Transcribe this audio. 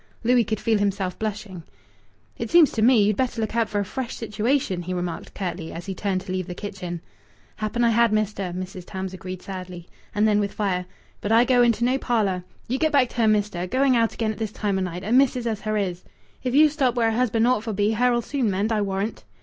Louis could feel himself blushing. "It seems to me you'd better look out for a fresh situation," he remarked curtly, as he turned to leave the kitchen. "Happen I had, mester," Mrs. Tams agreed sadly; and then with fire: "But I go into no parlour. You get back to her, mester. Going out again at this time o' night, and missis as her is! If you stop where a husband ought for be, her'll soon mend, I warrant."